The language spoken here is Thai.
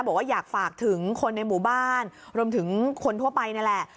บอกว่าอยากฝากถึงคนในหมู่บ้านรวมถึงคนทั่วไปนี่แหละ